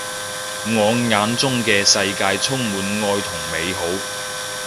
我眼中嘅世界充滿愛同美好